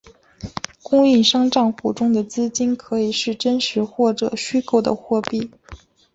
供应商帐户中的资金可以是真实或者虚构的货币。